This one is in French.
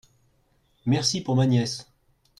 Merci pour ma nièce…